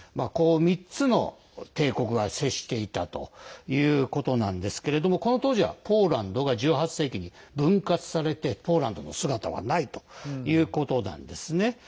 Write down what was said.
３つの帝国が接していたということなんですけれどもこの当時はポーランドが１８世紀に分割されてポーランドの姿はないということなんですね。